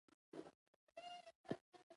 خټکۍ د خولې وچوالی ختموي.